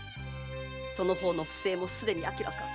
その方の不正もすでに明らか。